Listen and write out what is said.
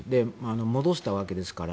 戻したわけですから。